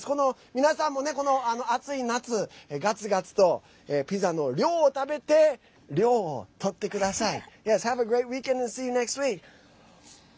皆さんもね、この暑い夏ガツガツと、ピザの量を食べて涼をとってください。